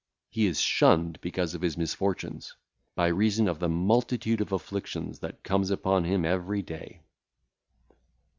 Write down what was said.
He is shunned because of his misfortunes, by reason of the multitude of afflictions that cometh upon him every day.